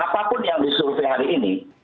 apapun yang disurvei hari ini